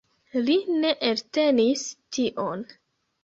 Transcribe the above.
Li ne eltenis tion.